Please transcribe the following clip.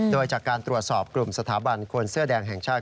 โดยจากการตรวจสอบกลุ่มสถาบันคนเสื้อแดงแห่งชาติ